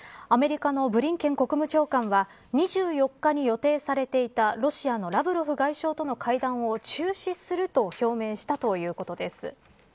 アメリカのブリンケン国務長官は２４日に予定されていたロシアのラブロフ外相との会談を中止すると表明したということです。